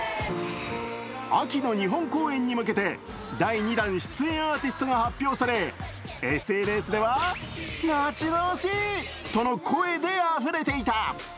秋の日本公演に向けて第２弾出演アーティストが発表されＳＮＳでは、待ち遠しいとの声であふれていた。